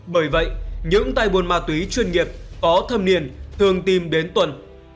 bởi vậy những tai buôn ma túy chuyên nghiệp có thâm niên thường tìm đến tuần